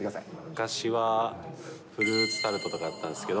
昔はフルーツタルトとかだったんですけど。